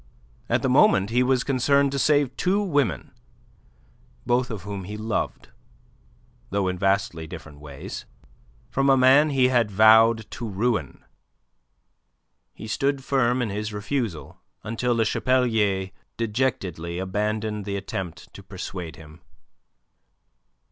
At the moment he was concerned to save two women, both of whom he loved, though in vastly different ways, from a man he had vowed to ruin. He stood firm in his refusal until Le Chapelier dejectedly abandoned the attempt to persuade him.